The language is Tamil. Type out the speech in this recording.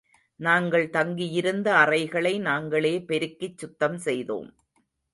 நாங்கள் தங்கியிருந்த அறைகளை நாங்களே பெருக்கிச் சுத்தம் செய்தோம்.